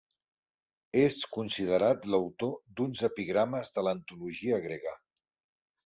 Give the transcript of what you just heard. És considerat l'autor d'uns epigrames de l'antologia grega.